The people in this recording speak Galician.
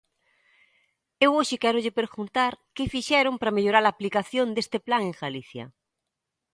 Eu hoxe quérolle preguntar que fixeron para mellorar a aplicación deste plan en Galicia.